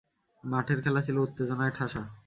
মাঠের খেলা ছিল উত্তেজনায় ঠাসা।